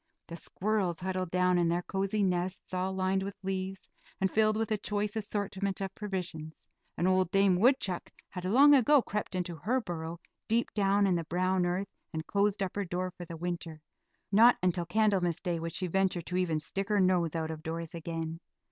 The squirrels huddled down in their cozy nests, all lined with leaves, and filled with a choice assortment of provisions, and old Dame Woodchuck had long ago crept into her burrow, deep down in the brown earth, and closed up her door for the winter; not until Candlemas Day would she venture to even stick her nose out of doors again.